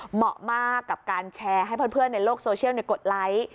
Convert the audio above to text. เหมาะมากกับการแชร์ให้เพื่อนในโลกโซเชียลกดไลค์